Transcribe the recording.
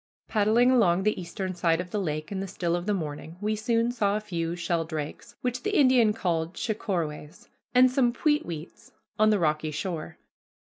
Paddling along the eastern side of the lake in the still of the morning, we soon saw a few sheldrakes, which the Indian called Shecorways, and some peetweets on the rocky shore.